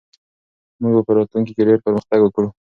موږ به په راتلونکي کې ډېر پرمختګ وکړو.